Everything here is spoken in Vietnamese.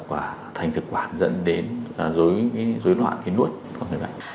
và thành thực quản dẫn đến dối loạn cái nuốt của người bệnh